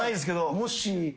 もし。